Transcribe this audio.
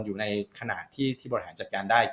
อยู่ในขณะที่ที่บริหารจัดการได้